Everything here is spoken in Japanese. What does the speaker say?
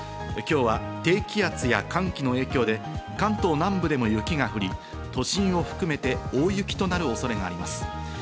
今日は低気圧や寒気の影響で関東南部でも雪が降り、都心を含めて大雪となる恐れがあります。